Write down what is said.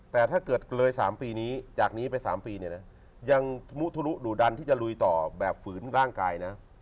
แต่ถ้าเกิดเลย๓ปีนี้จากนี้ไป๓ปีเนี่ยนะยังมุทะลุดุดันที่จะลุยต่อแบบฝืนร่างกายนะ